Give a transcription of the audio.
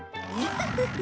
フフフ。